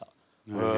へえ。